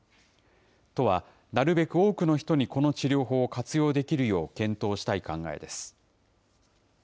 都は、なるべく多くの人にこの治療法を活用できるよう検討したい考えです。